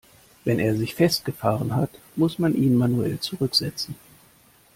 Wenn er sich festgefahren hat, muss man ihn manuell zurücksetzen.